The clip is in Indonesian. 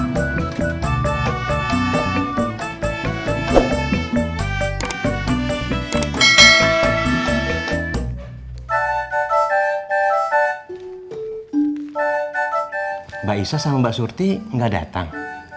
mbak isha sama mbak surti gak datang